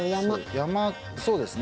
山そうですね。